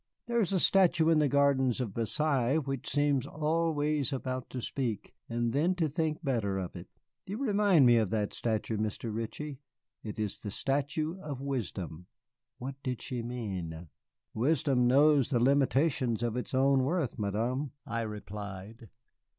"There is a statue in the gardens of Versailles which seems always about to speak, and then to think better of it. You remind me of that statue, Mr. Ritchie. It is the statue of Wisdom." What did she mean? "Wisdom knows the limitations of its own worth, Madame," I replied.